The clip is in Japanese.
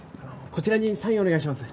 こちらにサインお願いします